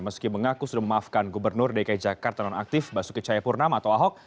meski mengaku sudah memaafkan gubernur dki jakarta nonaktif basuki cahayapurnama atau ahok